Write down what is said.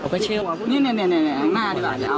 ก็ชื่อว่า